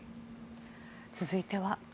続いては。